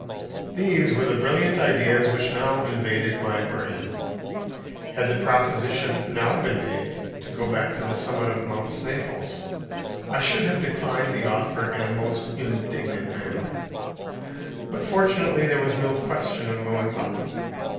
These were the brilliant ideas which now invaded my brain. Had the proposition now been made to go back to the summit of Mount Sneffels, I should have declined the offer in a most indignant manner. But fortunately there was no question of going up.